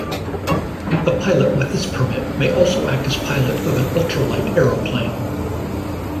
A pilot with this permit may also act as pilot of an ultra-light aeroplane.